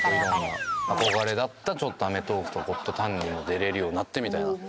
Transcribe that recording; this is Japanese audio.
憧れだった『アメトーーク』と『ゴッドタン』にも出れるようになってみたいな。